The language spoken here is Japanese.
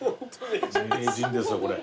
名人ですわこれ。